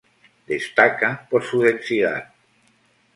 Destaca por su densidad.